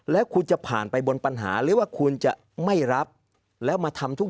แล้วคุณจะผ่านไปบนปัญหาหรือว่าคุณจะไม่รับแล้วมาทำทุก